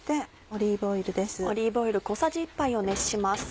オリーブオイル小さじ１杯を熱します。